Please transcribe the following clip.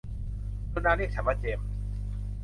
กรุณาเรียกฉันว่าเจมส์